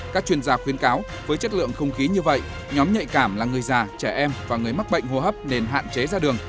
các chuyên gia khuyến cáo với chất lượng không khí như vậy nhóm nhạy cảm là người già trẻ em và người mắc bệnh hô hấp nên hạn chế ra đường